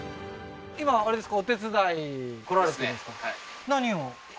今あれですか？